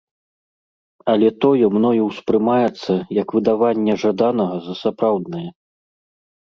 Але тое мною ўспрымаецца як выдаванне жаданага за сапраўднае.